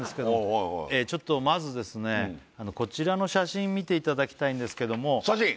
はいはいちょっとまずですねこちらの写真見ていただきたいんですけども写真？